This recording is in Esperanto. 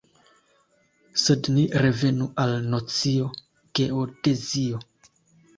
Sed ni revenu al nocio "geodezio".